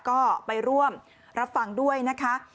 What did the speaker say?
ก็ไปร่วมรับฟังด้วยนะคะ